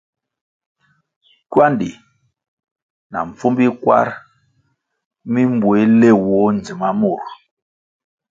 Kywandi na mpfumbi kwar mi mbuéh léwoh ndzima mur.